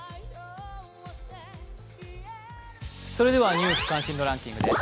ニュース関心度ランキングです。